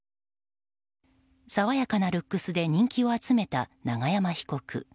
爽やかなルックスで人気を集めた永山被告。